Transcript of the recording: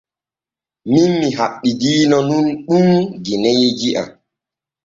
Min mi haɓɓidiino nun ɗum gineeji am.